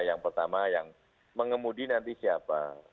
yang pertama yang mengemudi nanti siapa